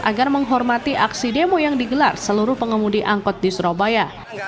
agar menghormati aksi demo yang digelar seluruh pengemudi angkot di surabaya